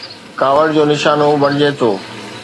ڪاوڙ جو نشانو بڻجي ٿو.